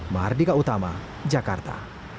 mahardika utama jakarta